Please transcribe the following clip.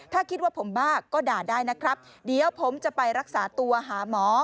ถ้าคิดว่าผมบ้าก็ด่าได้นะครับเดี๋ยวผมจะไปรักษาตัวหาหมอ